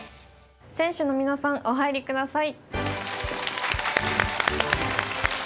選手の皆さんお入りください。